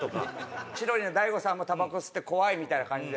千鳥の大悟さんもたばこ吸って怖いみたいな感じで。